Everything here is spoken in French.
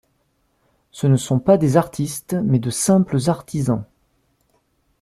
Ce ne sont pas des artistes mais de simples artisans.